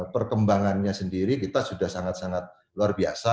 perkembangannya sendiri kita sudah sangat sangat luar biasa